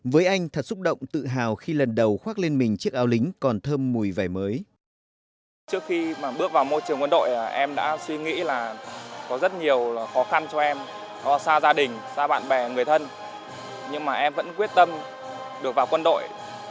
với anh thật xúc động tự hào khi lần đầu khoác lên mình chiếc áo lính còn thơm mùi vẻ mới